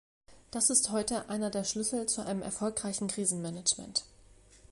Das ist heute einer der Schlüssel zu einem erfolgreichen Krisenmanagement.